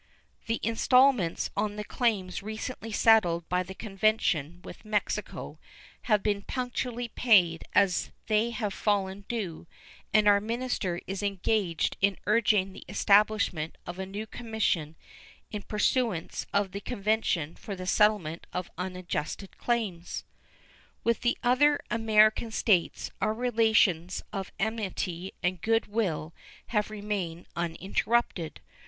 The installments on the claims recently settled by the convention with Mexico have been punctually paid as they have fallen due, and our minister is engaged in urging the establishment of a new commission in pursuance of the convention for the settlement of unadjusted claims. With the other American States our relations of amity and good will have remained uninterrupted.